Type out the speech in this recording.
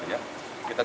kita diberi kesempatan